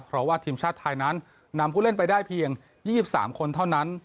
เพราะว่าทีมชาติไทยนั้นนำผู้เล่นไปได้เพียง๒๓คนเท่านั้น